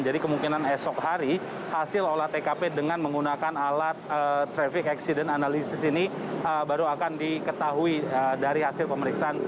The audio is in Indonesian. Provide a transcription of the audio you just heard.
jadi kemungkinan esok hari hasil olah tkp dengan menggunakan alat traffic accident analysis ini baru akan diketahui dari hasil pemeriksaan